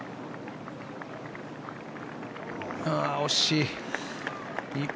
惜しい。